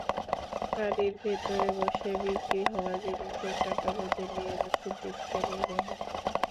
গাড়ির ভেতরে বসে বিক্রি হওয়া জিনিসের টাকা বুঝে নিয়ে রসিদ দিচ্ছিলেন ইব্রাহিম।